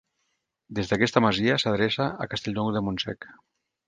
Des d'aquesta masia s'adreça a Castellnou de Montsec.